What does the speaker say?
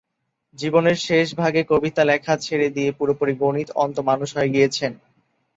জীবনের শেষভাগে কবিতা লেখা ছেড়ে দিয়ে পুরোপুরি গণিত-অন্ত মানুষ হয়ে গিয়েছেন।